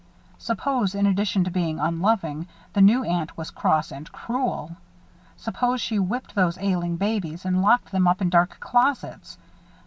Suppose, in addition to being unloving, the new aunt were cross and cruel! Suppose she whipped those ailing babies and locked them up in dark closets!